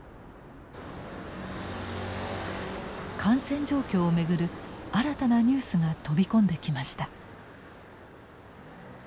感染状況を巡る新たなニュースが飛び込んできました。